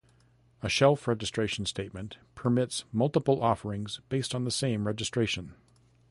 A shelf registration statement permits multiple offerings based on the same registration.